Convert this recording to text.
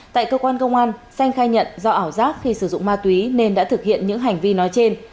tại cơ quan công an xanh khai nhận do ảo giác khi sử dụng ma túy nên đã thực hiện những hành vi nói trên